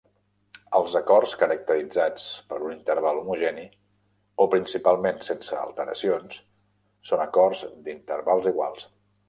Els acords caracteritzats per un interval homogeni, o principalment sense alteracions, són acords d'intervals iguals.